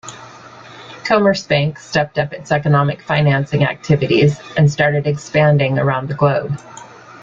Commerzbank stepped up its economic financing activities and started expanding around the globe.